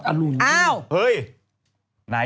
ของตาย